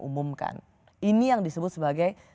umumkan ini yang disebut sebagai